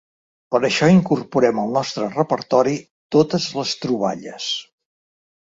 Per això incorporem al nostre repertori totes les troballes.